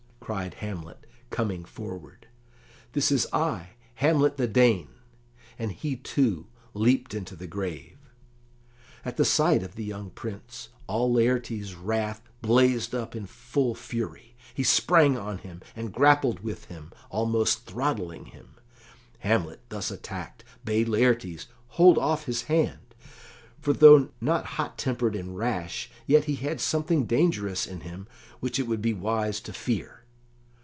cried Hamlet, coming forward. "This is I, Hamlet the Dane." And he, too, leaped into the grave. At the sight of the young Prince, all Laertes's wrath blazed up in full fury. He sprang on him, and grappled with him, almost throttling him. Hamlet, thus attacked, bade Laertes hold off his hand, for though not hot tempered and rash, yet he had something dangerous in him which it would be wise to fear.